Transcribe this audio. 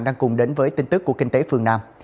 đang cùng đến với tin tức của kinh tế phương nam